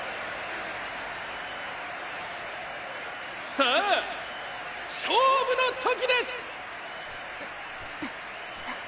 さあ勝負の時です！